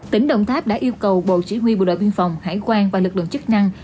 tỉnh đồng tháp đã yêu cầu bộ chỉ huy bộ đội biên phòng hải quan và lực lượng chức năng